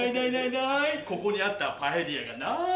ここにあったパエリアがない。